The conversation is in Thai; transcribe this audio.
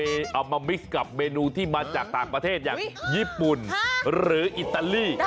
เอามามิกซ์กับเมนูที่มาจากต่างประเทศอย่างญี่ปุ่นหรืออิตาลี